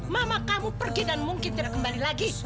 mama kamu pergi dan mungkin tidak kembali lagi